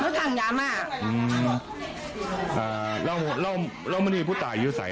มันค่อยอยู่นี่